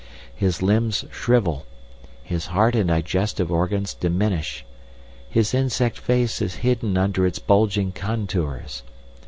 His limbs shrivel, his heart and digestive organs diminish, his insect face is hidden under its bulging contours.